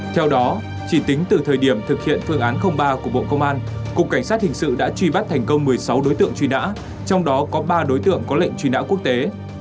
theo đó chỉ tính từ thời điểm thực hiện phương án ba của bộ công an cục cảnh sát hình sự đã truy bắt thành công một mươi sáu đối tượng truy nã trong đó có ba đối tượng có lệnh truy nã quốc tế